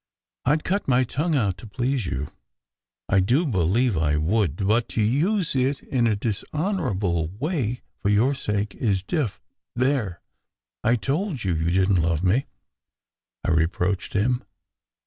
I d cut my tongue out to please you, I do believe I would, but to use it in a dishonourable way for your sake is dif " "There! I told you you didn t love me!" I reproached him.